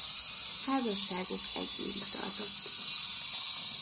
Házasságuk egy évig tartott.